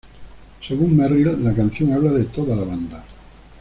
Según Merrill, la canción habla de toda la banda.